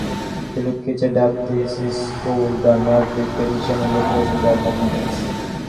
Philip Kitcher dubbed this school the "maverick" tradition in the philosophy of mathematics.